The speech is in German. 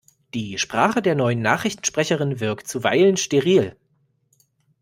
Die Sprache der neuen Nachrichtensprecherin wirkt zuweilen steril.